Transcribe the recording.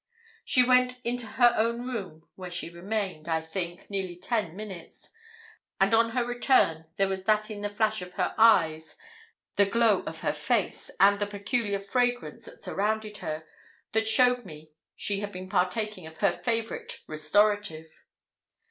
She went into her own room, where she remained, I think, nearly ten minutes, and on her return there was that in the flash of her eyes, the glow of her face, and the peculiar fragrance that surrounded her, that showed she had been partaking of her favourite restorative.